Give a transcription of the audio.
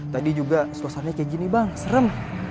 tadi juga suasananya kayak gini bang serem